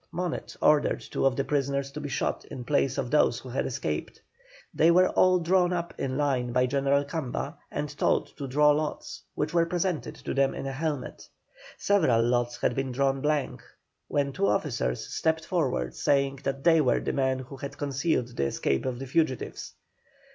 Monet ordered two of the prisoners to be shot in place of those who had escaped. They were all drawn up in line by General Camba, and told to draw lots, which were presented to them in a helmet. Several lots had been drawn blank, when two officers stepped forward saying that they were the men who had concealed the escape of the fugitives.